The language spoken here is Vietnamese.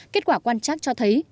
kết quả quan trác cho thấy